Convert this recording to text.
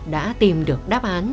đã tìm được đáp án